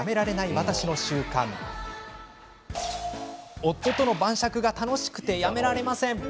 夫との晩酌が楽しくてやめられません。